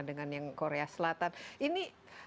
dengan yang korea selatan ini